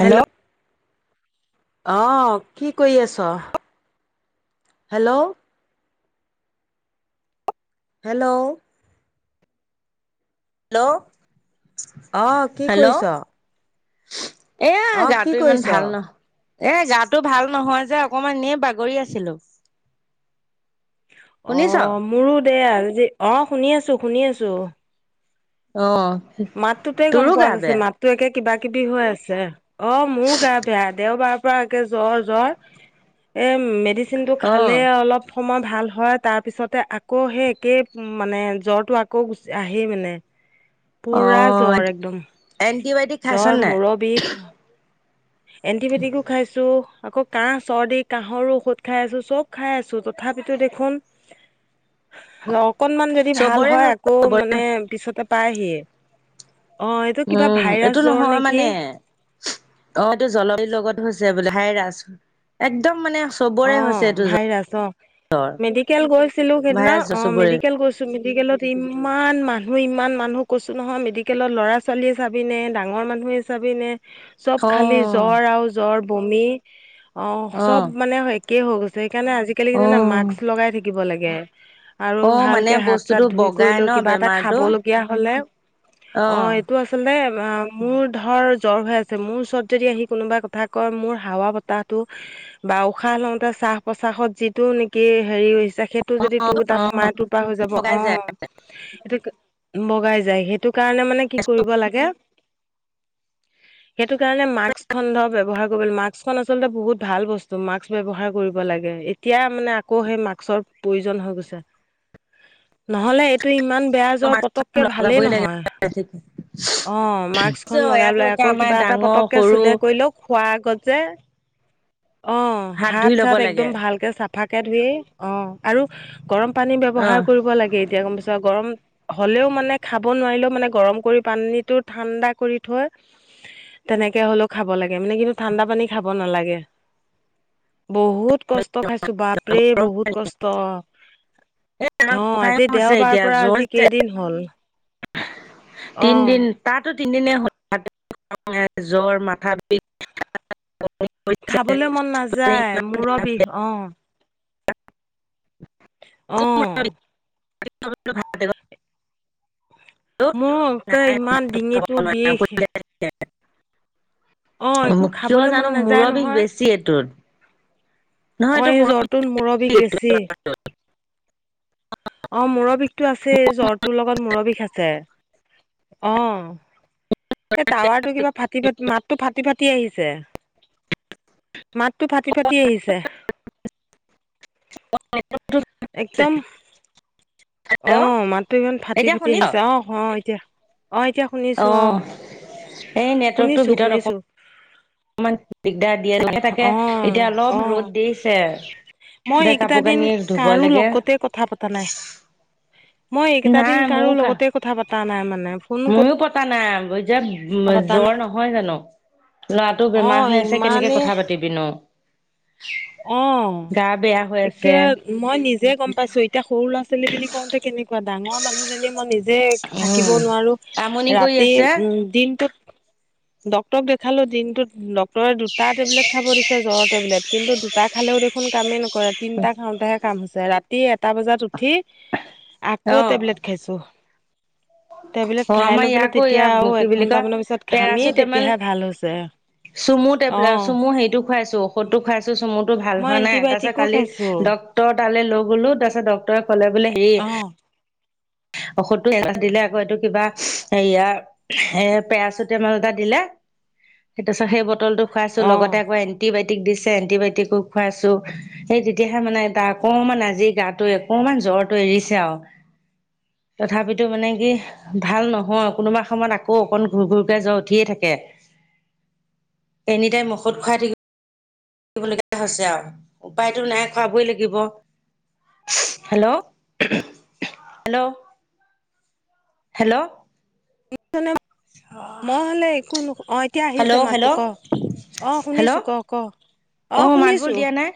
Hello অ', কি কৰি আছ? হেল্ল' হেল্ল' হেল্ল' অ' কি হেল্ল' কৰিছ? এয়া অ' কি গাটো ইমান কৰিছ? ভাল নহ এ গাটো ভাল নহয় যে অকমান এনে বাগৰি আছিলোঁ শুনিছ অ' মোৰো দে আজি অ শুনি আছোঁ শুনি আছোঁ অ' তোৰো গা বেয়া তোৰ একে কিবা কিবি হৈ আছে অ' মোৰো গা বেয়া দেওবাৰ পৰা একে জ্বৰ জ্বৰ এ মেডিচিনটো অ খালেই অলপ সময় ভাল হয় তাৰপিছতে আকৌ সেই একেই মানে জ্বৰটো আকৌ গুচ আহেই মানে অ পূৰা জ্বৰ একদম এন্টিবায়টিক খাইছ জ্বৰ নাই মূৰৰ বিষ এণ্টিবায়টিকো খাইছোঁ আকৌ কাহ চৰ্দি কাহৰো ঔষধ খাই আছোঁ চব খাই আছোঁ তথাপিতো দেখোন [inaudible] অকনমান যদি ভাল চবৰে হয় হৈছে আকৌ চবৰে মানে পিছতে পাইহিয়ে অ' এইটো কিবা উম ভাইৰাছ এইটো জ্বৰ নহয় নে কি মানে অ' এইটো [unintelligible] লগত হৈছে বোলে ভাইৰাছ একদম মানে অ চবৰে হৈছে এইটো ভাইৰাছ অ' মেডিকেল গৈছিলো সেইদিনা ভাইৰাছ অ চবৰে মেডিকেল গৈছি লো, মেডিকেলত ইমান মানুহ ইমান মানুহ কৈছো নহয় মেডিকেলত ল'ৰা ছোৱালীয়ে চাবি নে ডাঙৰ মানুহে চাবিনে চব অ খালি জ্বৰ আৰু জ্বৰ বমি অ' চব মানে একেই হৈ গৈছে সেইকাৰণে আজিকালি কি অ জানা মাস্ক লগাই থাকিব লাগে আৰু অ মানে ভালকে হাত চাত বস্তুটো ধুই কৰি বগাই লৈ ন কিবা এটা খাব বেমাৰটো লগীয়া হলে অ' এইটো আচ চলতে অ মোৰ ধৰ জ্বৰ হৈ আছে মোৰ ওচৰত যদি আহি কোনোবা কথা কয় মোৰ হাৱা বতাহটো [inaudible] বা উশাহ লওঁতে শ্বাস প্ৰশ্বাসত যিটো নেকি হেৰি হৈছে সেইট টো অ যদি তোৰ অ তাত সোমাই তোৰ পৰা হৈ যাব লগাই অ যায় এইটো বগাই যায় সেইটো কাৰণে মানে কি কৰিব লাগে সেইটো কাৰণে মাক্স খন ধৰ ব্যৱহাৰ কৰিব মাস্ক খন আচলতে বহুত ভাল বচ তু, মাক্স ব্যৱহাৰ কৰিব লাগে এতিয়া মানে আকৌ সেই মাক্সৰ প্ৰয়োজন হৈ গৈছে নহলে এইটো ইমান বেয়া জ্বৰ মাস্কখন পতককে ভালেই লগাবই লাগে নহয় অ মাক্সখন লগাই ইয়াতো লৈ একে আকৌ আমাৰ কিবা এটা ডাঙৰ পতককে সৰু চুলে কৰিলেও খোৱাৰ আগত যে অ' হাত ধুই ল'ব চাত একদম লাগে ভালকে চা ফাকে ধুই অ আৰু গৰম পানী অ ব্যৱহাৰ কৰিব লাগে এতিয়া গম পাইছা গৰম হলেও মানে খাব নোৱাৰিলেও মানে গৰম কৰি পানীটো ঠাণ্ডা কৰি থৈ তেনেকে হ'লেও খাব লাগে মানে কিন্তু ঠাণ্ডা পানী খাব নালাগে বহুত কষ্ট খাইছোঁ বাপৰে গৰম বহুত পানী কষ্ট এ আমাৰ অ' গোসাঁই আজি হৈছে দেওবাৰ এতিয়া পৰা জ্বৰ আজি যে কেইদিন হ'ল অ' তাৰতো তিনিদিনে হল [unintelligible] জ্বৰ মাথা বিষ হৈছে খাবলৈ মন নাযায় মূৰৰ বিষ অ' অ'। খুব [unintelligible] মোৰ একে ইমান ডিঙিটো বিষ একো অ' কিয় খাবলৈ মন জানো নাযায় মূৰৰ বিষ নহয় বেছি এইটোত নহয় অ' এইটো এই মূৰৰ জ্বৰটোত মূৰৰ বিষ বেছি। অ' মূৰৰ বিষটো আছেই, জ্বৰটোৰ লগত মূৰৰ বিষ আছে অ' এই টাৱাৰ টো কিবা ফাটি, ফাটি মাতটো ফাটি, ফাটি আহিছে মাতটো ফাটি, ফাটি আহিছে। একদম, হেল্ল' অ' মাতটো ইমান ফাটি, এতিয়া ফুটি শুনিছ আহিছে, আহ হ' এতিয়া অ' এতিয়া শুনিছোঁ অ' এই নেটৱৰ্কটো শুনিছো ভিতৰত অক শুনিছো অকমান দিগদাৰ দিয়ে তাকে, তাকে অ এতিয়া অ অলপ ৰ'দ দিছে মই দে এইকেইটা কাপোৰ দিন, কানি ধুব কাৰো লাগে লগতে কথা পতা নাই মই এইকেইটা দিন নাই কাৰো মোৰ কা লগতে কথা পতা নাই মানে। ফোন ময়ো পতা নাই বৈজাত পতা জ্বৰ নাই নহয় জানো। ল'ৰাটো অ বেমাৰ হৈ আছে কেনেকে ইমানে কথা পাতিবি নো। অ গা বেয়া হৈ আছে। একে মই নিজে গম পাইছোঁ, এতিয়া সৰু ল'ৰা ছোৱালী বুলি কওঁতে কেনেকুৱা ডাঙৰ মানুহজনীয়ে মই নিজে যে থাকিব নোৱাৰো আমনি কৰি ৰাতি আছে উ'ম দিনটোত ডক্টৰক দেখালো দিনটোত ডক্টৰে দুটা টেবলেট খাব দিছে জ্বৰৰ টেবলেট কিন্তু দুটা খালেও দেখোন কামেই নকৰে, তিনিটা খাওঁতেহে কাম হৈছে ৰা ৰাতি এটা বজাত উঠি আকৌ অ টেবলেট খাইছোঁ। টেবলেট অ খাই আমাৰ লৈ পেলাই ইয়াকো তেতিয়া ইয়াক আৰু কি বুলি কয় একঘন্টামানৰ পিছত ঘামি পেৰাচিটামল তেতিয়াহে ভাল হৈছে। চুমু অ টেবলেট, চুমু হেৰিটো খুৱাইছোঁ ঔষধটো খুৱাইছোঁ চুমুটো ভাল মই হোৱা নাই, তাৰ পাছত এন্টিবায়টিকো কালি খাইছো ডক্টৰ তালৈ লৈ গ'লো তাৰপাছত ড তই ক'লে বোলে অ হেৰি ঔষধটো এজাঁহ দিলে আকৌ এইটো কিবা হেয়া হে' পেৰাচিতেমল এটা দিলে, তাৰপাছত সেই বটলটো খুৱাইছোঁ অ লগতে আকৌ এ এণ্টিবায়টিক দিছে এণ্টিবায়টিকো খুৱাইছোঁ। সেই তেতিয়াহে মানে তাৰ অকমান আজি গাটোৱে অকমান জ্বৰটো এৰিছে আৰু। তথাপিতো মানে কি ভাল নহয়, কোনোবা সময়ত আকৌ অকণ ঘূৰ, ঘূৰকৈ জ্বৰ উঠিয়ে থাকে। এনি টাইম ঔষধ খুৱাই থাকি থাকিব লগীয়া হৈছে আৰু উপায়তো নাই খোৱাবই লাগিব। হেল্লো, হেল্লো হেল্লো [unintelligible] মই হ'লে একো নুশু, অ' এতিয়া আহিছে হেল্ল' মাতটো ক হেল্ল' অ' হেল্ল' শুনিছোঁ ক', ক' অ' মাতবোল শুনিছোঁ দিয়া নাই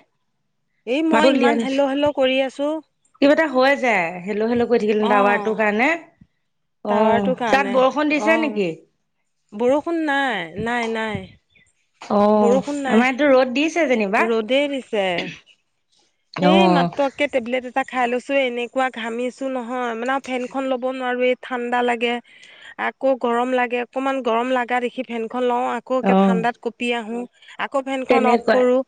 এই মই মাতবোল ইমান দিয়া নাই হেল্লো, হেল্লো কৰি আছোঁ কিবা এটা হৈ যায় হেল্লো, হেল্লো কৰি থাকিলে অ তাৱাৰটোৰ কাৰণে টাৱাৰটো অ' তাত কাৰণে বৰষুণ অ দিছে নেকি? বৰষুণ নাই, নাই, নাই। অ' বৰষুণ নাই আমাৰ ইয়াটো ৰ'দ দি ৰ'দেই দিছে, সেই অ' মাত কে টেবলেট এটা খাই লৈছোঁ এনেকুৱা ঘামিছোঁ নহয়, মানে ফেনখন ল'ব নোৱাৰোঁ, এই ঠাণ্ডা লাগে আকৌ গৰম লাগে, অকনমান গৰম লাগা দেখি ফেনখন লও আকৌ একে অ' ঠাণ্ডাত ক পি আহো আকৌ ফেনখন অফ তেনেকুৱা কৰোঁ,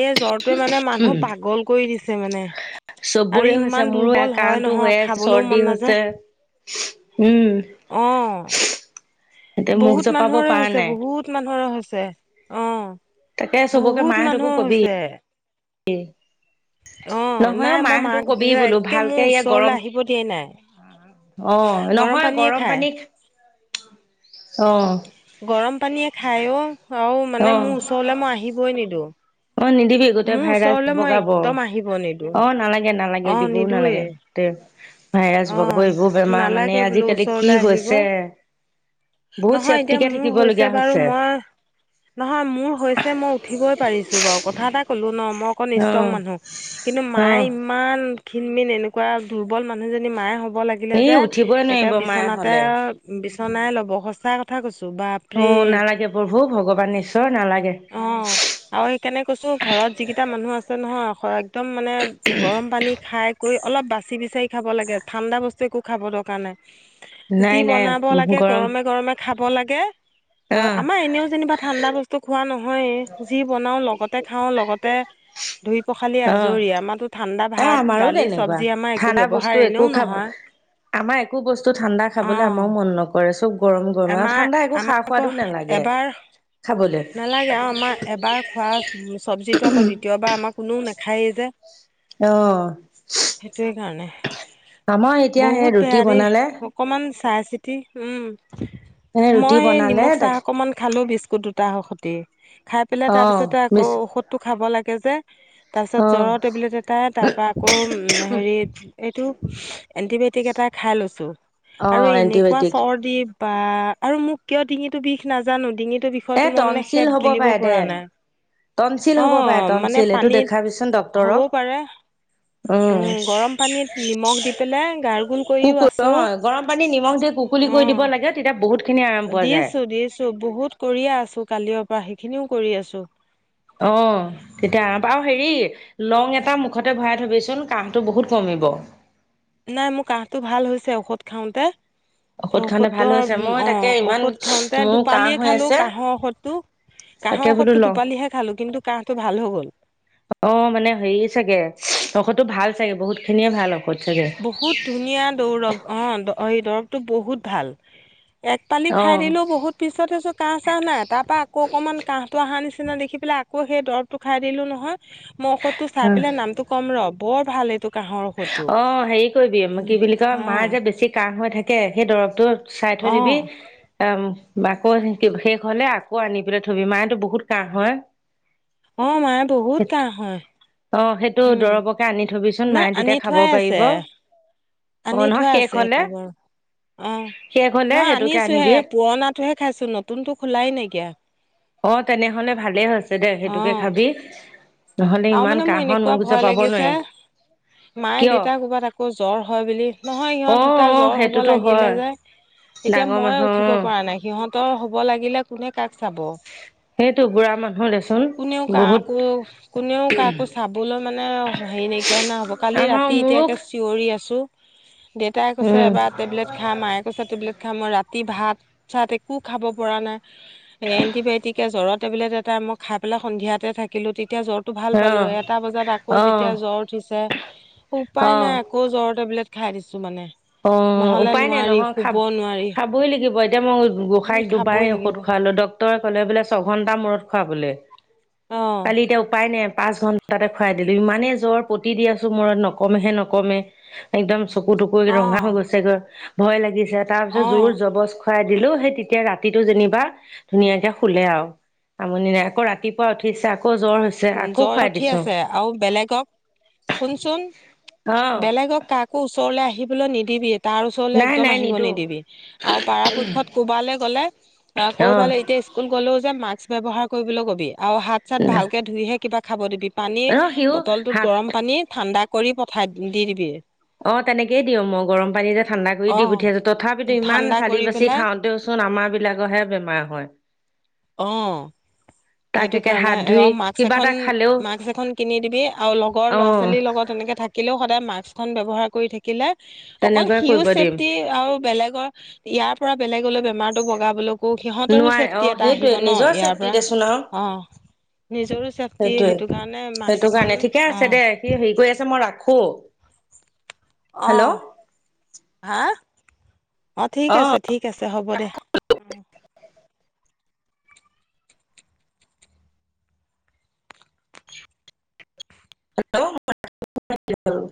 এই জ্বৰটোৱে মানে মানুহ পাগল কৈ দিছে মানে আৰু চবৰেই ইমান হৈছে মোৰো সেইয়া দুৰ্বল হয় কাঁহটো নহয় হৈ আছে খাবলৈও মন চৰ্দি নাযায় হৈছে উ'ম অ এতিয়া মুখ বহুত জপাব মানুহৰে পৰা হৈছে, নাই বহুত মানুহৰে হৈছে তাকে অহ। বহুত মানুহৰ হৈছে। এই অ নহয় অ নাই মই মাহঁতটো মাক কবি যে বোলো একে মোৰ ভালকে ইয়াক ওচৰলৈ গৰম আহিব দিয়াই নাই অ নহয় পানীয়ে গৰম খায় পানী, অহ গৰম পানীয়ে খাই অ আৰু মানে অ' মোৰ ওচৰলে মই আহিবই নিদওঁ। অ নিদিবি গোটেই ভাইৰাছ বগাব, একদম আহিব নিদো অ নালাগে নালাগে অ দিবও নিদোৱে নালাগে। তে ভাইৰাছ অ বগাব এইবোৰ বেমাৰ মানে নালাগে বোলো আজিকালি কি ওচৰলে আহিব হৈছে। বহুত নহয় এতিয়া চছেফটিকে মোৰ থাকিব লগীয়া বাৰু হৈছে। মই নহয় মোৰ হৈছে মই উঠিবই পাৰিছো বাৰু কথা এটা কলো ন মই অক ইচ অ টং মানুহ কিন্তু অ মায়ে ইমান ক্ষীণমিন এনেকুৱা দুৰ্বল মানুহজনী মায়ে হ'ব লাগে লাগিলে এই যে উঠিবই এতিয়া নোৱাৰিব মায়ে বিচনাতে হলে বিচনাই ল'বসচাৰ কথা কৈছো বা অ নালাগে প্ৰভু ভগৱান ঈশ্বৰ নালাগে। অ আৰু সেইকাৰণে কৈছো ঘৰত যিকেইটা মানুহ আছে নহয় হৈ একদম মানে গৰম পানী খাই কৈ অলপ বাচি বিচাৰি খাব লাগে, ঠাণ্ডা বস্তু একো খাব দৰকাৰ নাই, নাই যি নাই বনাব লাগে গৰম গৰমে গৰমে খাব লাগে আৰু আহ আমাৰ এনেও যেনিবা ঠাণ্ডা ব স্তু খোৱা নহয়, যি বনাও লগতে খাওঁ লগতে ধুই পখালি আহ আজৰি আমাৰো ঠাণ্ডা এ ভাত আমাৰো দালি তেনেকুৱা চব্জি আমাৰ এ ঠাণ্ডা বস্তু একো খাব আমাৰ একো বস্তু ঠাণ্ডা অ খাবলৈ আমাৰও মন নক ৰে চব গৰম গৰমে আৰু আমাৰ ঠাণ্ডা একো আমাৰ খা আকৌ সোৱাদো নালাগে এবাৰ খাবলে। নালাগে আৰু আমাৰ এবাৰ খোৱা চব্জিটো আকৌ দ্বিতীয়বাৰ আমাৰ কোনেও নাখায়েই যে। অহ। সেইটোৱে কাৰণে, আমাৰ এতিয়া সেই বহুত ৰুটি বেয়া দেই। বনালে অকণমান চাই চিতি, এ উম। ৰুটি মই সেই বনালে নিমখ তাক চাহ অকণমান খালোঁ বিস্কুত দো তাসতি খাই পেলাই অ তাৰপিছতে আকৌ মিছ ঔষ টো খাব লাগে যে তাৰপিছত অ জ্বৰৰ টেবলেট এ টা তাপা আকৌ হেৰি এইটো এন্টিবায়টিক এটা খাই লৈছো। অ আৰু এনেকুৱা এণ্টিবায়টিক চৰ্দি বা আৰু মোক কিয় ডিঙিতটো বিষ নাজানো ডিঙিতটো বিষ এ খোৱাটো মই মানে টনচিল শেত হ'ব গিলিব পাৰে দে পৰা নাই। টনচিল অ হ'ব পাৰে মানে টনচিল এইটো পানীত দেখাবিচোন ডক্তৰক হবও পাৰে। উম গৰম পানীত নিমখ দি পেলাই গাৰ গোল কৰিও আছো। খুলি কৈ দিব লাগে তেতিয়া বহুত খিনি আৰাম পোৱা যায়। দি আছো বহুত কৰিয়ে আছো কালিৰ পৰা সেইখিনিও কৰি আছো। অ। তেতিয়া আওঁ পা আৰু হেৰি লং এটা মুখতে ভৰাই থবিচোন কাহটো বহুত কমিব। নাই মোৰ কাঁহটো ভাল হৈছে ঔষধ খাওঁতে। [unintelligible] ঔষধ ভাল হৈছে মই অ তাকে ইমান ঔষধ খাওঁতে মোৰ কাহ দুপালিয় হৈ খালো আছে কাঁহৰ ঔষধটো। কাঁহৰ তাকে বোলো ঔষধটো লওঁ টোপালিহে খালো কিন্তু কাহটো ভাল হৈ গ'ল। অ মানে হেৰি চাগে ঔষধটো ভাল চাগে বহুত খিনিয়ে ভাল অ। বহুত ধুনীয়া দৌৰৱ অ এই দৰৱটো বহুত ভাল। এক পালি অ খাই দিলোও বহুত পিছত চাইছো কাহ চাহ নাই তাৰ পৰা আকৌ অকণমান কাহটো অহা নিচিনা দেখি পেলাই আকৌ সেই দৰবটো খাই দিলো নহয় মই ঔষধটো চাই পেলাই নামটো কম ৰ বৰ ভাল এইটো কাঁহৰ ঔষধটো অ হেৰি কৰিবি কি বুলি কয় অ মাৰ যে বেছি কাহ হৈ থাকে সেই দৰবটো চাই থৈ দিবি অ', অ আকৌ শেষ হলে আকৌ আনি পেলাই থবি মাৰতো বহুত কাহ হয় অ মাঁৰ বহুত কাহ হয় অ সেইটো উম, দৰবকে আনি থবিচোন নাই মায়ে আনি তেতিয়া খাব থোৱাই আছে, পাৰিব। অ আনি নহয় থোৱা আছে শেষ হলে সেইটো বাৰু অ শেষ হলে নহয় সেইটোকে আনিছোহে আনিবি পুৰণাত টোহে খাইছো নতুনতো খোলাই নাইকিয়া। অ তেনেহলে ভালেই হৈছে দে সেইটোকে অ', খাবি। নহলে আৰু ইমান মানে মোৰ কাহত এনেকুৱা মোক যে ভয় পাব লাগিছে নোৱাৰি। মায়ে কিয় দেউতা ক'ৰবাত আকৌ জ্বৰ হয় বুলি, নহয় অ সিহঁত দুটা অ জ্বৰ হব সেইটোতো হয় লাগিলে যে এতিয়া ডাঙৰ মইয়ে মানুহ উঠিব অ পৰা নাই, সিহঁতৰ হব লাগিলে কোনে কাক চাব। সেইটো বুঢ়া মানুহ দেচোন কোনেও বহুত কাকো কোনেও কাকো চাবলৈ মানে হেৰি নাইকিয়া নিচিনা হ'ব, কালি আমাৰ ৰাতি এতিয়া মোৰো কে চিঞৰি আছোঁ, দেউতাই কৈছে উম এবাৰ টেবলেত খা মায়ে কৈছে টেবলেট খা মই ৰাতি ভাত চাত একো খাব পৰা নাই। এ এণ্টিবায়টিকে জ্বৰ টেবলেট এটা মই খাই পেলাই সন্ধিয়াতে থাকিলো, তেতিয়া জ্বৰ ভাল অ পালো এটা বজাত আকৌ অ যেতিয়া জ্বৰ উঠিছে, অ উপায় নাই আকৌ জ্বৰ টেবলেট খাই দিছো মানে। অ' নহ'লে উপায় নাই নোৱাৰি নহয় শুব খাব নোৱাৰি খাবই লাগিব এতিয়া মই উম গোঁসাইক খাবই দুবাৰেই ঔষধ লাগিব খোৱালো ডক্তৰে ক'লে ছঘণ্টাৰ মুৰত খুৱাবলৈ অ কালি এতিয়া উপাই নাই পাঁচ ঘণ্টা তাতে খুৱাই দিলো। ইমানে জ্বৰ পতি দি আছো মুৰত নকমেহে নকমে একদম চকু টকু অ ৰঙা হৈ গৈছেগৈ ভয় লাগিছে তাৰ পিছত অ জোৰ জবজ খুৱাই দিলো, সেই তেতিয়া ৰাতিটো যেনিবা ধুনীয়াকে শুলে আও আমনি নাই, আকৌ ৰাতিপুৱা উঠিছে আকৌ জ্বৰ হৈছে। উম, আকৌ জ্বৰ খুৱাই উঠি দিছো আছে, আৰু বেলেগক শুনচোন অ বেলেগক কাকো ওচৰলৈ আহিবলৈ নিদিবি। তাৰ ওচৰলৈ নাই একদম নাই আহিব নিদো নিদিবি, আৰু পৰাপক্ষত ক'ৰবালে গ'লে আ অ ক'ৰবালে এতিয়া স্কুল গ'লেও যে মাক্স ব্যৱহাৰ কৰিবলৈ কবি, আৰু হাত চাত ভালকে ধুইহে কিবা খাব দিবি। পানী অ সিও বটলটোত হাত গৰম পানী ঠাণ্ডা কৰি পঠাই দি দিবি। অ' তেনেকেই দিও মই গৰম পানী যে ঠাণ্ডা কৰি অ দি পঠিয়াইছো তথাপিতো ইমান ঠাণ্ডা চালি কৰি বাচি পেলাই থাকোতেও চোন আমাৰ বিলাকৰহে বেমাৰ হয়। অ' তাক সেইটো একে কাৰণে হাত এ ধুই অ মাক্স কিবা এখন এটা খালেও মাস্ক এখন কিনি দিবি, আৰু লগৰ অ ল'ৰা ছোৱালীৰ লগত এনেকে থাকে থাকিলেও সদায় মাস্কখন ব্যৱহাৰ কৰি থাকিলে অকল তেনেকুৱাই সিউ কৰিব দিম চেফটি আৰু বেলেগৰ ইয়াৰ পৰা বেলেগলৈ বেমাৰটো বগাবলৈ আকৌ সিহঁতৰো নোৱাৰে অ চেফটি এটা সেইটোৱে আহিব ন নিজৰ ইয়াৰ চেফটি পৰা। দেচোন আৰু অ নিজৰো চেফটি সেইটোৱে সেইটো কাৰণে সেইটো মাস্ক এখন, কাৰণে ঠিকে অ আছে দে সি হেৰি কৰি আছে মই ৰাখো। অ হেল্ল' হা অ' ঠিক আছে ঠিক আছে হ'ব দে। উম হেল্ল' [unintelligible]